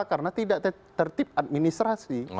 karena tidak tertib administrasi